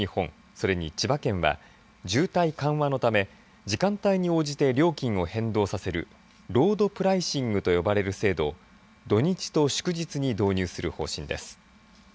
それに千葉県は渋滞緩和のため時間帯に応じて料金を変動させるロード・プライシングと呼ばれる制度を土日と祝日に導入する方針です。